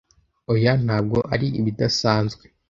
oya ntabwo ari ibidasanzwe